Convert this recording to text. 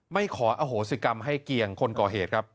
ขออโหสิกรรมให้เกียงคนก่อเหตุครับ